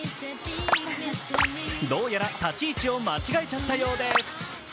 どうやら立ち位置を間違えちゃったようです。